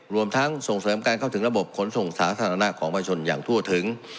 รวมทั้งส่งเสริมการเข้าถึงระบบขนส่งสาธารณะของประชนอย่างทั่วถึง